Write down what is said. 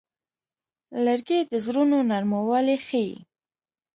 لرګی د زړونو نرموالی ښيي.